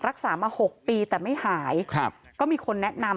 รักษามา๖ปีแต่ไม่หายครับก็มีคนแนะนำ